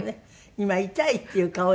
今痛いっていう顔よ